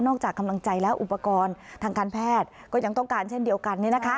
จากกำลังใจแล้วอุปกรณ์ทางการแพทย์ก็ยังต้องการเช่นเดียวกัน